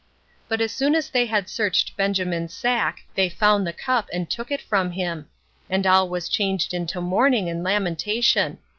But as soon as they had searched Benjamin's sack, they found the cup, and took it from him; and all was changed into mourning and lamentation.